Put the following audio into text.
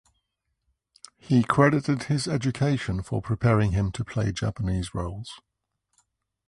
He credited his education for preparing him to play Japanese roles.